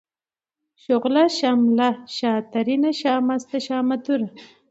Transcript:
شغله ، شمله ، شاترينه ، شامسته ، شامتوره ،